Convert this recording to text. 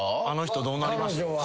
あの人どうなりました？